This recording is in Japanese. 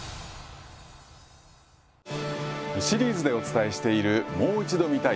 シリーズでお伝えしている「もう一度見たい！